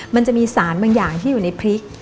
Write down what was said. มันจะมีสารบางอย่างที่อยู่ในพริก